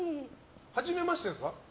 初めましてですか？